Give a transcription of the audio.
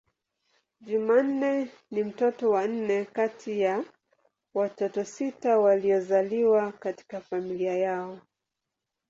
Jumanne ni mtoto wa nne kati ya watoto sita waliozaliwa katika familia yao.